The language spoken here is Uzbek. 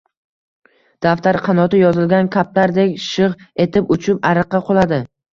Daftar qanoti yozilgan kaptardek «shigʼgʼ» etib uchib, ariqqa quladi.